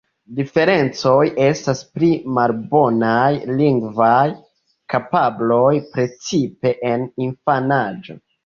Diferencoj estas pli malbonaj lingvaj kapabloj, precipe en infanaĝo.